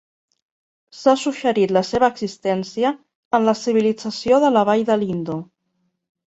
S'ha suggerit la seva existència en la Civilització de la Vall de l'Indo.